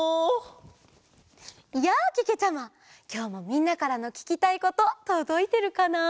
きょうもみんなからのききたいこととどいてるかな？